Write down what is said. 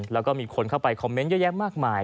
แล้วก็มีคนเข้าไปคอมเมนต์เยอะแยะมากมาย